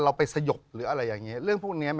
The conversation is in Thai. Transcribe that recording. เราไปสยบหรืออะไรอย่างเงี้ย